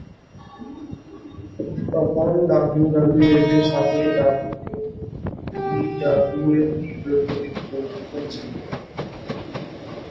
তখন ডাব্লিউডাব্লিউএফ এর সাথে ডাব্লিউসিডাব্লিউ এর তীব্র প্রতিদ্বন্দ্বিতা ছিল।